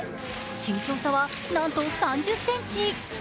身長差はなんと３０ｃｍ。